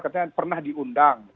katanya pernah diundang